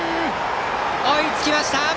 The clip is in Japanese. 追いつきました！